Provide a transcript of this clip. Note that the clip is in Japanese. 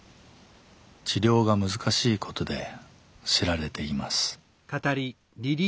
治療が難しいことで知られています。